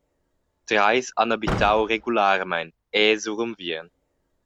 Treis han habitau regularmein era sur unviern.